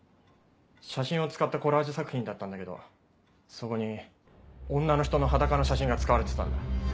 写真を使ったコラージュ作品だったんだけどそこに女の人の裸の写真が使われてたんだ。